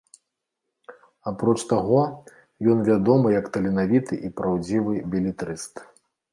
Апроч таго, ён вядомы як таленавіты і праўдзівы белетрыст.